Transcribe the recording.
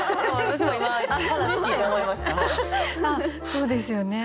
そうですよね。